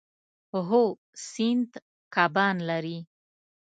هو، سیند کبان لري